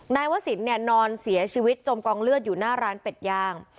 วสินเนี่ยนอนเสียชีวิตจมกองเลือดอยู่หน้าร้านเป็ดย่าง